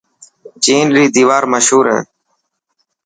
چين ري ديوار مشهور هي.